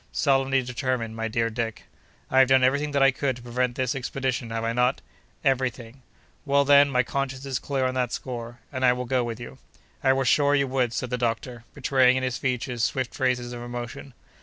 "Solemnly determined, my dear Dick." "I have done every thing that I could to prevent this expedition, have I not?" "Every thing!" "Well, then, my conscience is clear on that score, and I will go with you." "I was sure you would!" said the doctor, betraying in his features swift traces of emotion.